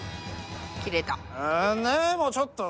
切れた。